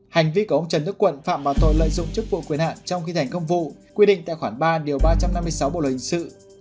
hành vi của ông trần đức quận phạm vào tội lợi dụng chức vụ quyền hạn trong khi thành công vụ quy định tại khoản ba điều ba trăm năm mươi sáu bộ luật hình sự